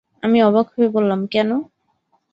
আমি অবাক হয়ে বললাম, কেন?